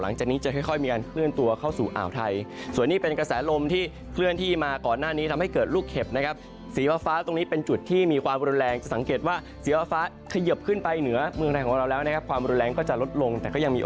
หลังจากนี้จะค่อยมีการคลื่นตัวเข้าสู่อ่าวไทย